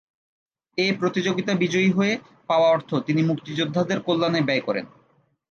এ প্রতিযোগিতা বিজয়ী হয়ে পাওয়া অর্থ তিনি মুক্তিযোদ্ধাদের কল্যাণে ব্যয় করেন।